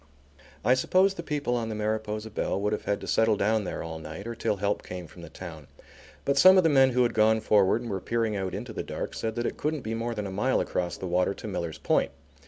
I suppose the people on the Mariposa Belle would have had to settle down there all night or till help came from the town, but some of the men who had gone forward and were peering out into the dark said that it couldn't be more than a mile across the water to Miller's Point.